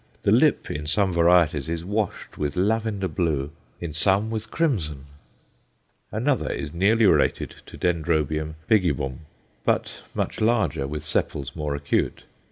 The lip in some varieties is washed with lavender blue, in some with crimson! Another is nearly related to D. bigibbum, but much larger, with sepals more acute.